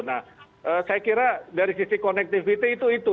nah saya kira dari sisi konektivitas itu itu